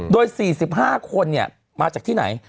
โดย๔๕คนมาจากที่ไหน